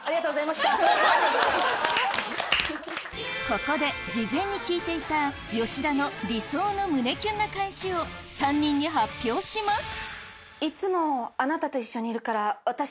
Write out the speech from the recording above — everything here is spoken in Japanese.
ここで事前に聞いていた吉田の理想の胸キュンな返しを３人に発表します。